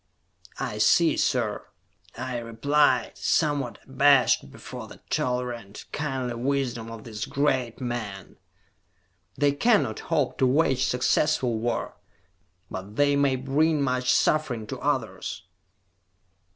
"I see, sir," I replied, somewhat abashed before the tolerant, kindly wisdom of this great man. "They cannot hope to wage successful war, but they may bring much suffering to others."